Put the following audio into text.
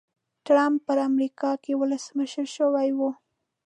ټرمپ په امریکا کې ولسمشر شوی و.